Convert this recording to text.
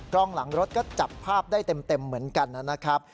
กล้องหลังรถก็จับภาพได้เต็มเหมือนกันนะครับ